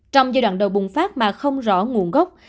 trong giai đoạn đầu bùng phát mà không rõ nguồn gốc